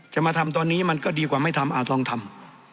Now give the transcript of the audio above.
จะมาทำตอนนี้มันก็ดีกว่าไม่ทำลองทำ